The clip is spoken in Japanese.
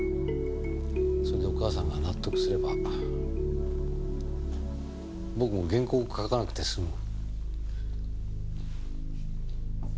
それでお母さんが納得すれば僕も原稿を書かなくて済む。